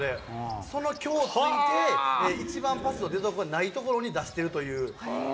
その意表をついて、一番パスの出どこない所に出しているという。